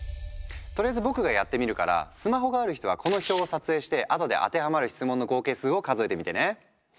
とりあえず僕がやってみるからスマホがある人はこの表を撮影してあとで当てはまる質問の合計数を数えてみてね。